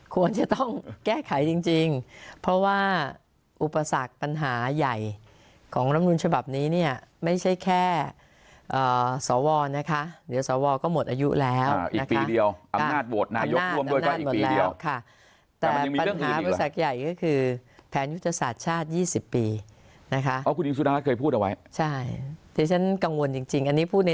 ควรจะต้องแก้ไขจริงเพราะว่าอุปสรรคปัญหาใหญ่ของรำนูลฉบับนี้เนี่ยไม่ใช่แค่สวนะคะเดี๋ยวสวก็หมดอายุแล้วอีกปีเดียวอำนาจโหวตนายกร่วมด้วยก็หมดแล้วค่ะแต่ปัญหาบริษัทใหญ่ก็คือแผนยุทธศาสตร์ชาติ๒๐ปีนะคะเพราะคุณหญิงสุดารัฐเคยพูดเอาไว้ใช่ที่ฉันกังวลจริงอันนี้พูดใน